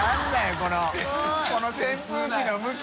この扇風機の向き。